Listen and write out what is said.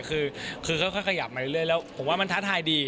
คือค่อยขยับมาเรื่อยแล้วผมว่ามันท้าทายดี